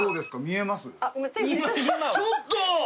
ちょっと！